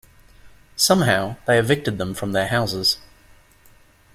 Somehow, they evicted them from their houses.